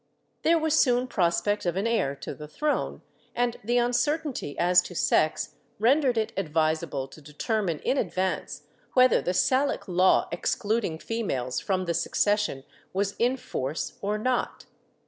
There was soon prospect of an heir to the throne, and the uncertainty as to sex rendered it advisable to determine in advance W'hether the Salic law excluding females from the succession was in force or not.